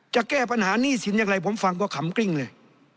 จะแก้ปัญหาหนี้สินอย่างไรผมฟังก็ขำกริ้งเลย